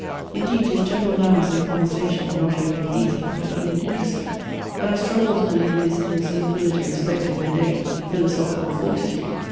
Indeed his general manners and conversation were not only pleasing, but even interesting; and I struggled to believe his insensibility respecting the Dane philosophical fortitude.